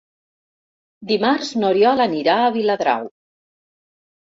Dimarts n'Oriol anirà a Viladrau.